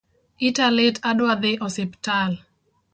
Ita lit adwa dhi osiptal